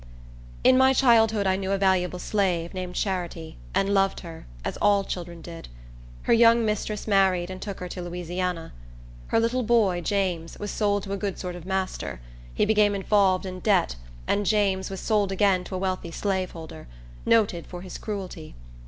In my childhood I knew a valuable slave, named Charity, and loved her, as all children did. Her young mistress married, and took her to Louisiana. Her little boy, James, was sold to a good sort of master. He became involved in debt, and James was sold again to a wealthy slaveholder, noted for his cruelty.